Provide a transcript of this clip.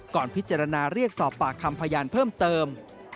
ก่อนพิจารณาเรียกสอบปากคำพยานเพิ่มเติม